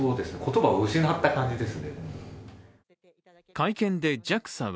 会見でＪＡＸＡは